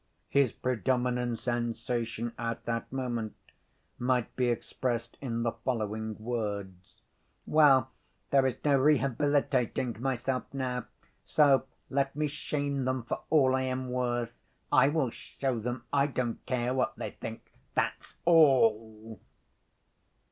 His predominant sensation at that moment might be expressed in the following words, "Well, there is no rehabilitating myself now. So let me shame them for all I am worth. I will show them I don't care what they think—that's all!"